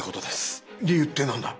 理由って何だ？